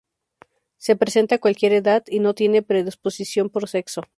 Se presenta a cualquier edad, y no tiene predisposición por sexo.